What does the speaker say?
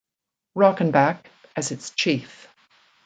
Rockenback as its chief.